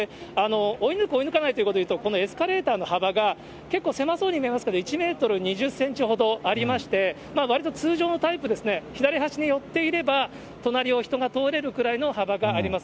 追い抜く追い抜かないということでいうと、このエスカレーターの幅が、結構狭そうに見えますけど、１メートル２０センチほどありまして、わりと通常のタイプ、左端に寄っていれば、隣を人が通れるくらいの幅があります。